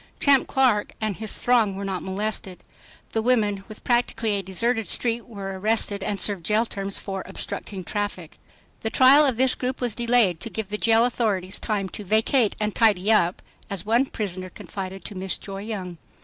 Champ Clark and his throng were not molested. The women with practically a deserted street were arrested and served jail terms for "obstructing traffic." The trial of this group was delayed to give the jail authorities time to "vacate and tidy up," as one prisoner confided to Miss Joy Young.